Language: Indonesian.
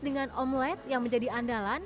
dengan omlet yang menjadi andalan